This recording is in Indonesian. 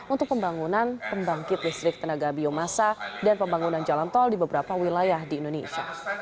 untuk pembangunan pembangkit listrik tenaga biomasa dan pembangunan jalan tol di beberapa wilayah di indonesia